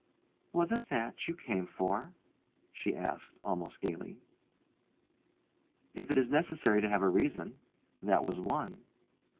"Was it that you came for?" she asked, almost gaily. "If it is necessary to have a reason that was one."